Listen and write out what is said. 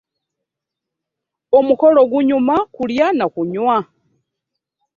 Omukolo gunyuma kulya na kunywa.